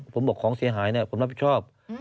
ผมบอกของเสียหายผมรับผิดชอบ